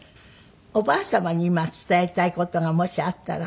おばあ様に今伝えたい事がもしあったらなんかあります？